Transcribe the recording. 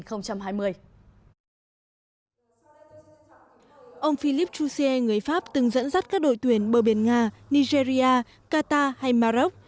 ông philippe jouzier người pháp từng dẫn dắt các đội tuyển bờ biển nga nigeria qatar hay maroc